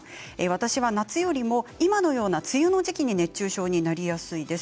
私は夏よりも今のような梅雨の時期に熱中症になりやすいです。